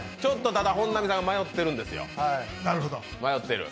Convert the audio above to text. ただ本並さん迷ってるんですよ。